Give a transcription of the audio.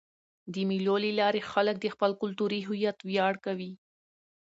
د مېلو له لاري خلک د خپل کلتوري هویت ویاړ کوي.